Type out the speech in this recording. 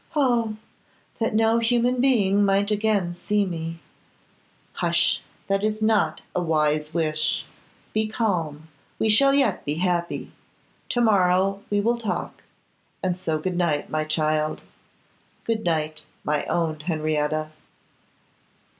'Oh! that no human being might again see me!' 'Hush! that is not a wise wish. Be calm; we shall yet be happy. To morrow we will talk; and so good night, my child; good night, my own Henrietta.